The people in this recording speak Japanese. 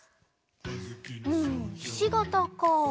うんひしがたか。